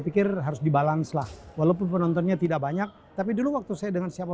pikir harus dibalans lah walaupun penontonnya tidak banyak tapi dulu waktu saya dengan siapa